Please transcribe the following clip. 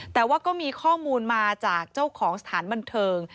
แต่ว่าก็มีข้อมูลมาจากเจ้าของสถานบันเทิง